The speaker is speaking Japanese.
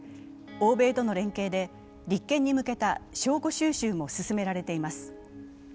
欧米との連携で立件に向けた証拠収集も進められています。